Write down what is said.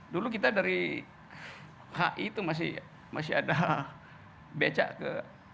dulu kita dari hi itu masih ada becak ke